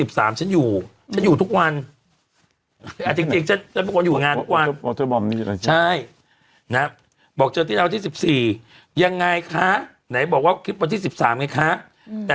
บอกว่าเจอติ๊นาวันที่๑๔ยังไงคะไหนบอกว่าคลิปวันที่๑๓ไงคะ